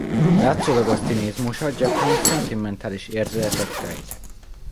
Látszólagos cinizmusa gyakran szentimentális érzületet rejt.